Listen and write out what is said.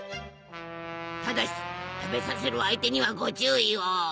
ただし食べさせる相手にはご注意を。